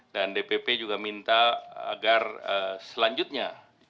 dan dpp juga minta agar selanjutnya